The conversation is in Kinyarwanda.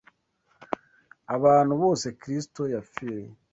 abantu bose Kristo yapfiriye